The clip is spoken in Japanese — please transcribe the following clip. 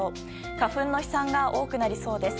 花粉の飛散が多くなりそうです。